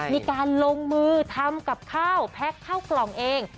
มีการลงมือทำกับข้าวแพ็คเข้ากล่องเอง